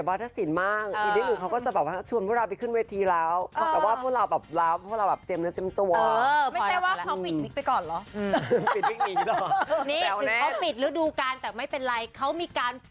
โปรดติดตามตอนต่อไป